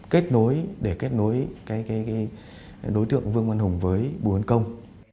kết nối để kết nối đối tượng vương văn hùng với bùi văn công